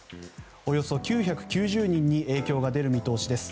およそ９９０人に影響が出る見通しです。